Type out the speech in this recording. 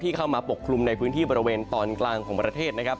เข้ามาปกคลุมในพื้นที่บริเวณตอนกลางของประเทศนะครับ